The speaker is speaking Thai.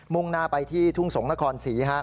่งหน้าไปที่ทุ่งสงศนครศรี